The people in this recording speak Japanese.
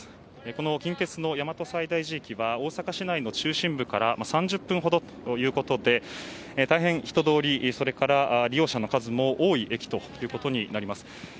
この近鉄の大和西大寺駅は大阪市内の中心部から３０分ほどということで大変、人通りや利用者の数も多い駅ということになります。